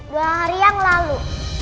dua hari yang lalu